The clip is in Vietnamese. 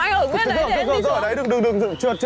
anh ở bên đấy anh đi xuống